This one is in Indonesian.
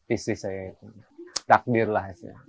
istri saya itu takdirlah